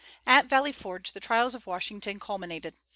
At Valley Forge the trials of Washington culminated.